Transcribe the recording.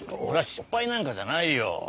俺は失敗なんかじゃないよ。